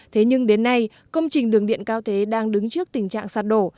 thế nhưng đến nay công trình đường điện cao thế đang đứng trước tình trạng sạt đổ